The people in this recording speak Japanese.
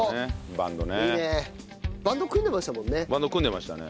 バンド組んでましたもんね。